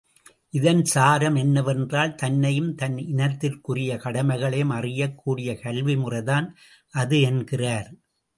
இதன் சாரம் என்னவென்றால், தன்னையும் தன் இனத்திற்குரிய கடமைகளையும் அறியக் கூடிய கல்வி முறைதான் அது என்கிறார்.